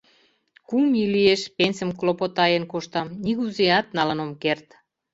Кум ий лиеш, пенсым клопотаен коштам, нигузеат налын ом керт.